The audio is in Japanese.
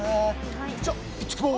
じゃあ行ってきます。